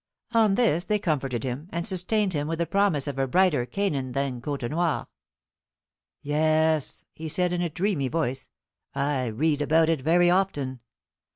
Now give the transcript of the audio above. On this they comforted him; and sustained him with the promise of a brighter Canaan than Côtenoir. "Yes," he said in a dreamy voice, "I read about it very often.